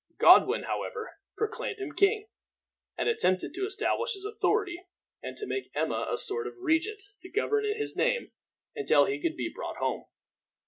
Godwin, however, proclaimed him king, and attempted to establish his authority, and to make Emma a sort of regent, to govern in his name until he could be brought home.